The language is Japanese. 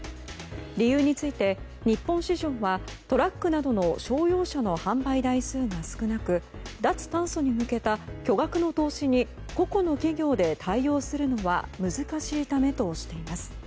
理由について、日本市場はトラックなどの商用車の販売台数が少なく脱炭素に向けた巨額の投資に個々の企業で対応するのは難しいためとしています。